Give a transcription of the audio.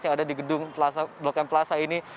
yang ada di gedung plaza blok m ini